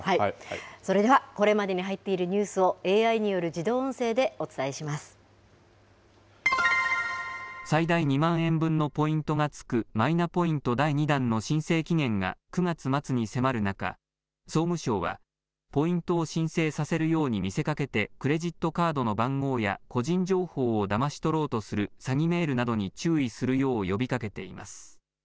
それではこれまでに入っているニュースをＡＩによる自動音声でお最大２万円分のポイントがつくマイナポイント第２弾の申請期限が、９月末に迫る中、総務省はポイントを申請させるように見せかけて、クレジットカードの番号や個人情報をだまし取ろうとする詐欺メールなどに注意するよう呼びかけています。